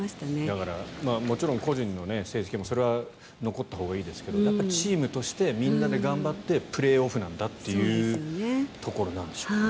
だからもちろん個人の成績もそれは残ったほうがいいですがチームとしてみんなで頑張ってプレーオフなんだっていうところなんでしょうね。